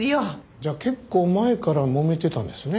じゃあ結構前からもめてたんですね。